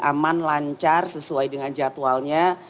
aman lancar sesuai dengan jadwalnya